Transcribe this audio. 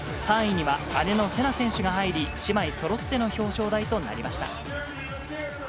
３位には姉のせな選手が入り、姉妹そろっての表彰台となりました。